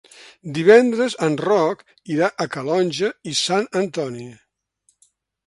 Divendres en Roc irà a Calonge i Sant Antoni.